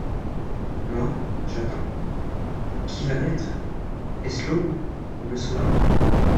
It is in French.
Moi, j’attends. Qui va naître ? Est-ce l’aube, ou le soir ?